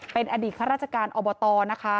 เป็นอดีตข้าราชการอบตนะคะ